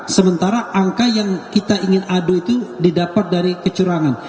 sementara angka yang kita ingin adu itu didapat dari kecurangan